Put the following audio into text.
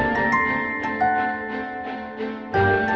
ya kita beres beres dulu